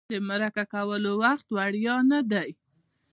د مرکه کولو وخت وړیا نه دی.